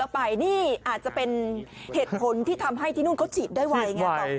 ไปนี่อาจจะเป็นเหตุผลที่ทำให้ที่นู่นเขาฉีดได้ไวไง